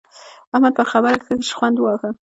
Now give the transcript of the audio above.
احمد پر خبره ښه شخوند وواهه.